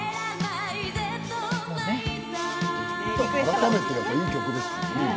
改めて聴くといい曲ですよね。